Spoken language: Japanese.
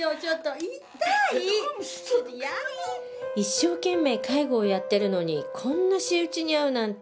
一生懸命介護をやってるのにこんな仕打ちに遭うなんて。